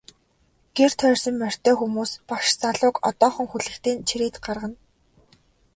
Гэр тойрсон морьтой хүмүүс багш залууг одоохон хүлэгтэй нь чирээд гаргана.